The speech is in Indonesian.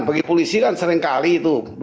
bagi polisi kan seringkali itu